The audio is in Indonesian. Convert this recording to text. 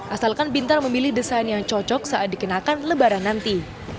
asalkan pintar memilih desain yang cocok saat dikenakan lebaran nanti